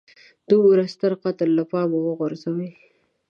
دومره ستر قتل له پامه وغورځوي.